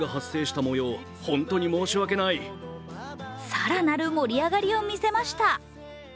更なる盛り上がりを見せました。